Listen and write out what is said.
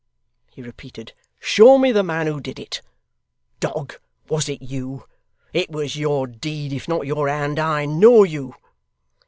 he repeated. 'Show me the man who did it. Dog, was it you? It was your deed, if not your hand I know you.